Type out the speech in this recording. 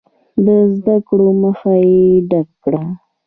د زده کړو مخه یې ډپ کړه.